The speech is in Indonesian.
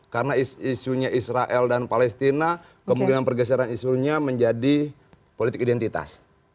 karena isunya israel dan palestina kemungkinan pergeseran isunya menjadi politik identitas